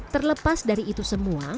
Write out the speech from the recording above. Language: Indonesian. terlepas dari itu semua